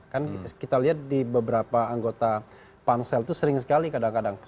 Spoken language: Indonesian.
kan kita lihat di beberapa anggota pansel itu sering sekali kadang kadang